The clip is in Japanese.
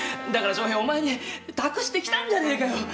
だから翔平お前に託してきたんじゃねえかよ！